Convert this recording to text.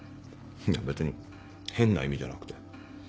いや別に変な意味じゃなくて。